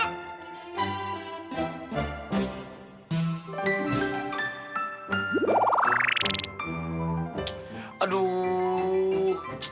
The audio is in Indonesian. tentu aja kayaknya udah lengkap